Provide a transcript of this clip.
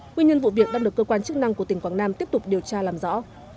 nguyên nhân vụ việc đang được cơ quan chức năng của tỉnh quảng nam tiếp tục điều tra làm rõ